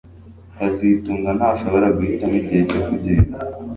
kazitunga ntashobora guhitamo igihe cyo kugenda